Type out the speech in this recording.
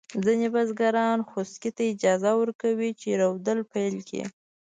ځینې بزګران خوسکي ته اجازه ورکوي چې رودل پيل کړي.